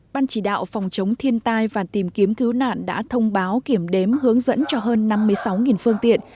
ban chỉ đạo phòng chống thiên tai và tìm kiếm cứu nạn đã thông báo kiểm đếm hướng dẫn cho hơn năm mươi sáu phương tiện